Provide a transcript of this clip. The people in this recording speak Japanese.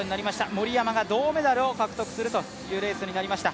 森山が銅メダルを獲得するというレースになりました。